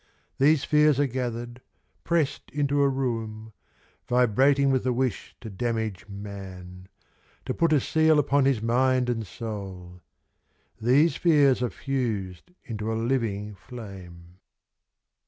These fears are gather 'd, press 'd into a room Vibrating with the wish to damage man, — To put a seal upon his mind and soul :— These fears are fused into a living flame.